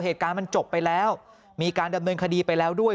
เหตุการณ์มันจบไปแล้วมีการดำเนินคดีไปแล้วด้วย